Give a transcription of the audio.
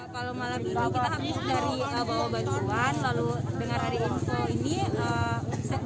kalau malam itu kita habis dari bawa bantuan lalu dengar hari info ini